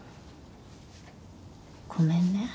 ごめんね。